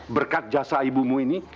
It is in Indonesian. berkat jasa ibumu ini